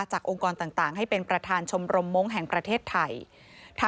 องค์กรต่างให้เป็นประธานชมรมมงค์แห่งประเทศไทย